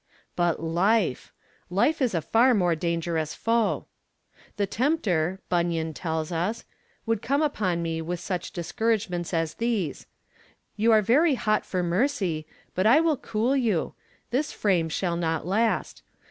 But life! Life is a far more dangerous foe. 'The tempter,' Bunyan tells us, 'would come upon me with such discouragements as these: "You are very hot for mercy, but I will cool you. This frame shall not last.